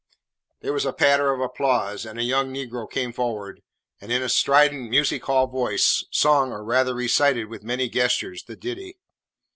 '" There was a patter of applause, and a young negro came forward, and in a strident, music hall voice, sung or rather recited with many gestures the ditty.